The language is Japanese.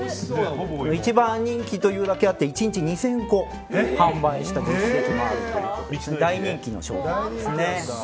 一番人気というだけあって１日２０００個販売した実績もある大人気の商品ですね。